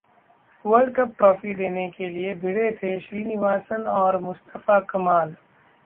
world cup trophy देने के लिए भिड़े थे श्रीनिवासन और मुस्तफा कमाल